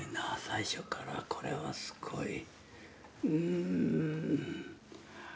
最初からこれはすごい。